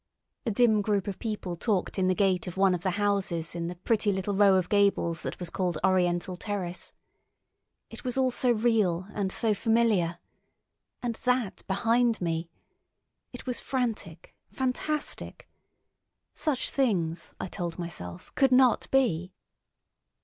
A dim group of people talked in the gate of one of the houses in the pretty little row of gables that was called Oriental Terrace. It was all so real and so familiar. And that behind me! It was frantic, fantastic! Such things, I told myself, could not be.